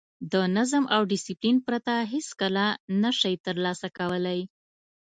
د نظم او ډیسپلین پرته هېڅکله نه شئ ترلاسه کولای.